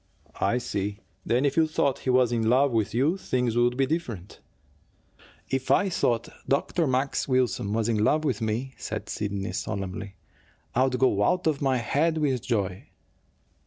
"I see. Then, if you thought he was in love with you, things would be different?" "If I thought Dr. Max Wilson was in love with me," said Sidney solemnly, "I'd go out of my head with joy."